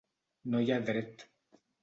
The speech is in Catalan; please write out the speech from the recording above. No hi ha dret.